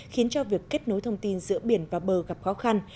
khiến cho việc kết nối thông tin giữa biển và bờ gặp khó khăn